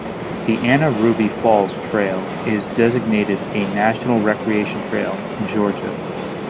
The Anna Ruby Falls Trail is designated a National Recreation Trail in Georgia.